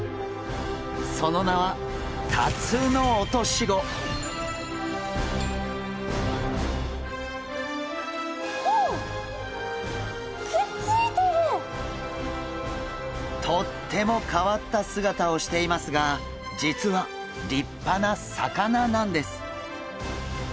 その名はとっても変わった姿をしていますが実は立派な魚なんです。